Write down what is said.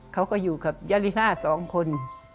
เขาก็อยู่กับยาลิซ่า๒คน